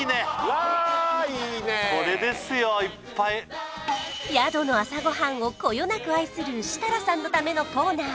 これですよいっぱい宿の朝ごはんをこよなく愛する設楽さんのためのコーナー